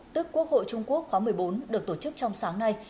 tức quốc hội trung quốc khóa một mươi bốn được tổ chức trong sáng nay